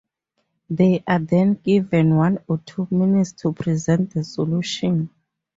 They are then given one or two minutes to present the solution.